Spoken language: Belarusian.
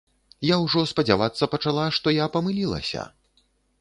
Я ўжо спадзявацца пачала, што я памылілася.